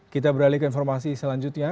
kita beralih ke informasi selanjutnya